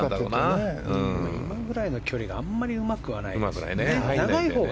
今ぐらいの距離はあまりうまくないですよね。